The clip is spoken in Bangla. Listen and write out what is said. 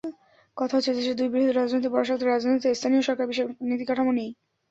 কথা হচ্ছে, দেশের দুই বৃহৎ রাজনৈতিক পরাশক্তির রাজনীতিতে স্থানীয় সরকারবিষয়ক নীতিকাঠামো নেই।